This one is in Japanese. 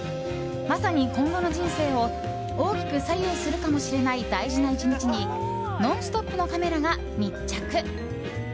まさに今後の人生を大きく左右するかもしれない大事な１日に「ノンストップ！」のカメラが密着。